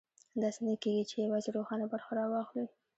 داسې نه کېږي چې یوازې روښانه برخه راواخلي.